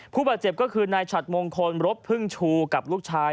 ผู้บาดเจ็บก็คือนายฉัดมงคลรบพึ่งชูกับลูกชาย